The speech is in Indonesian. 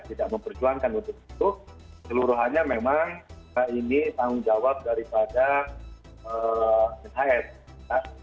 tidak memperjuangkan untuk itu seluruhannya memang ini tanggung jawab daripada nhs